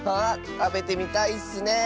たべてみたいッスねえ！